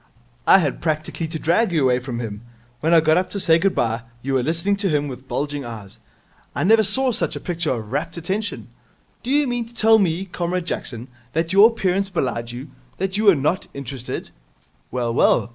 I had practically to drag you away from him. When I got up to say good bye, you were listening to him with bulging eyes. I never saw such a picture of rapt attention. Do you mean to tell me, Comrade Jackson, that your appearance belied you, that you were not interested? Well, well.